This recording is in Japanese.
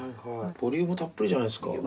ボリュームたっぷりじゃないですか。